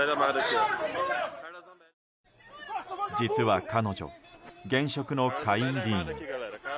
実は彼女、現職の下院議員。